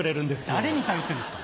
誰に頼ってんですか。